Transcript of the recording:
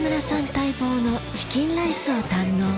待望のチキンライスを堪能